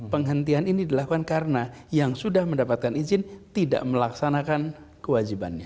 penghentian ini dilakukan karena yang sudah mendapatkan izin tidak melaksanakan kewajibannya